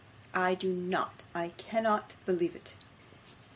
I do not I cannot believe it!